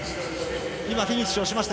フィニッシュしました。